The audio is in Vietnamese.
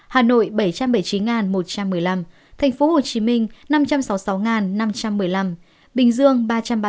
hà nội bảy trăm bảy mươi chín một trăm một mươi năm tp hcm năm trăm sáu mươi sáu năm trăm một mươi năm bình dương ba trăm ba mươi sáu hai trăm linh